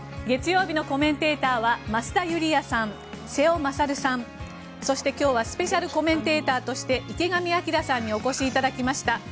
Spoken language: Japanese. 月曜日のコメンテーターは増田ユリヤさん、瀬尾傑さんそして、今日はスペシャルコメンテーターとして池上彰さんにお越しいただきました。